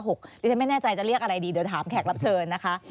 ดิฉันไม่แน่ใจจะเรียกอะไรดีเดี๋ยวถามแขกรับเชิญนะคะ